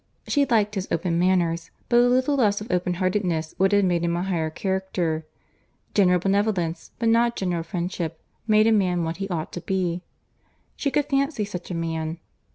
She liked his open manners, but a little less of open heartedness would have made him a higher character.—General benevolence, but not general friendship, made a man what he ought to be.—She could fancy such a man.